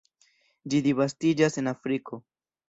Ĝi disvastiĝas en Afriko.